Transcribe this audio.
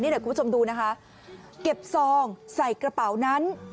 เดี๋ยวคุณผู้ชมดูนะคะเก็บซองใส่กระเป๋านั้น